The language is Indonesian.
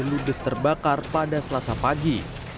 ludes terbakar pada selasa pagi